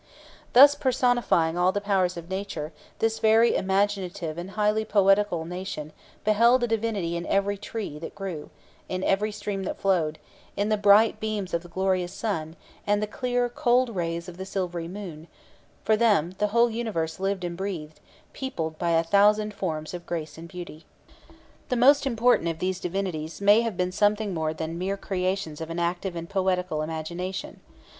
Thus personifying all the powers of nature, this very imaginative and highly poetical nation beheld a divinity in every tree that grew, in every stream that flowed, in the bright beams of the glorious sun, and the clear, cold rays of the silvery moon; for them the whole universe lived and breathed, peopled by a thousand forms of grace and beauty. The most important of these divinities may have been something more than the mere creations of an active and poetical imagination.